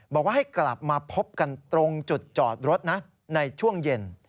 บอกว่าให้กลับมาพบกันตรงจุดจอดรถนะในช่วงเย็น